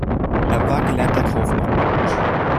Er war gelernter Kaufmann.